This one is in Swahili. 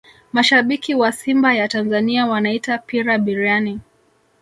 mashabiki wa simba ya tanzania wanaita pira biriani